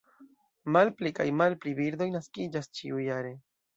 Malpli kaj malpli birdoj naskiĝas ĉiujare.